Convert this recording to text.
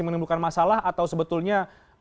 menimbulkan masalah atau sebetulnya